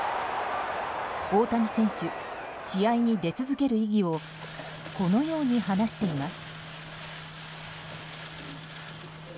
大谷選手、試合に出続ける意義をこのように話しています。